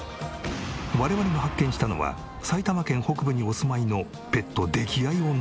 我々が発見したのは埼玉県北部にお住まいのペット溺愛女さん。